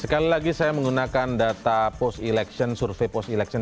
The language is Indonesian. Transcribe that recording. sekali lagi saya menggunakan data survey post election